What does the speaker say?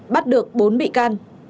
bắt được bốn bị can